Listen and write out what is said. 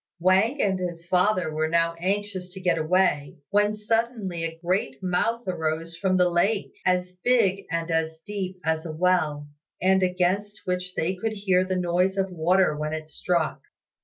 Wang and his father were now anxious to get away, when suddenly a great mouth arose from the lake, as big and as deep as a well, and against which they could hear the noise of the water when it struck.